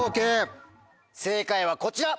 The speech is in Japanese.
正解はこちら。